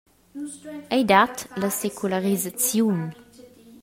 Ei dat la secularisaziun.